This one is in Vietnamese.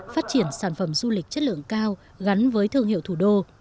phát triển sản phẩm du lịch chất lượng cao gắn với thương hiệu thủ đô